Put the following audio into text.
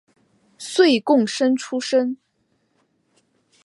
岁贡生出身。